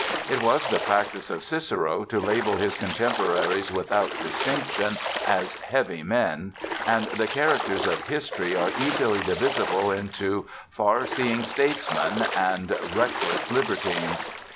It was the practice of Cicero to label his contemporaries without distinction as "heavy men," and the characters of history are easily divisible into "far seeing statesmen" and "reckless libertines."